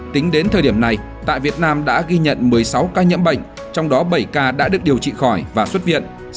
tính đến thời điểm này tại việt nam đã ghi nhận một mươi sáu ca nhiễm bệnh trong đó bảy ca đã được điều trị khỏi và xuất viện